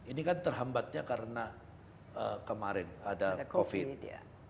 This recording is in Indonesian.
ini kan terhambatnya karena kemarin ada covid